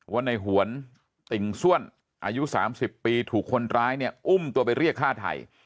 ว่าในหวนติ่งส้วนอายุ๓๐ปีถูกคนร้ายเนี่ยอุ้มตัวไปเรียกฆ่าไทย